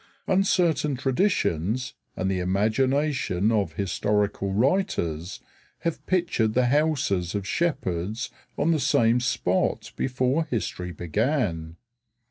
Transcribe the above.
Uncertain traditions and the imagination of historical writers have pictured the houses of shepherds on the same spot before history began.